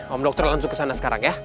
om dokter langsung kesana sekarang ya